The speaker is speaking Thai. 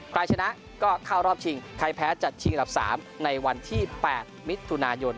ใครชนะก็เข้ารอบชิงใครแพ้จะชิงอันดับ๓ในวันที่๘มิถุนายน